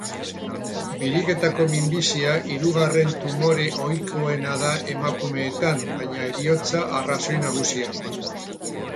Biriketako minbizia hirugarren tumore ohikoena da emakumeetan, baina heriotza arrazoi nagusia.